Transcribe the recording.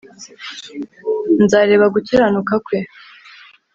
nzareba gukiranuka kwe